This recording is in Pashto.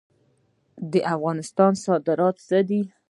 د افغانستان صادرات څه دي؟